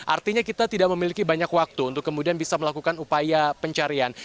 artinya kita tidak memiliki banyak waktu untuk kemudian bisa melakukan upaya pencarian